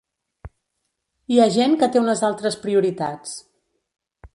Hi ha gent que té unes altres prioritats.